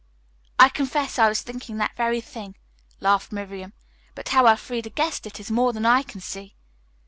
"I confess I was thinking that very thing," laughed Miriam, "but how Elfreda guessed it is more than I can see."